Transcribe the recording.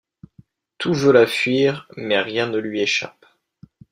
Tout veut la fuir, mais rien ne lui échappe.